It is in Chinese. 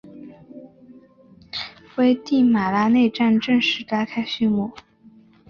危地马拉内战正式拉开序幕。